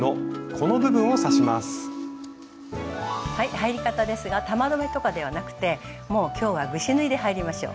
入り方ですが玉留めとかではなくてもう今日はぐし縫いで入りましょう。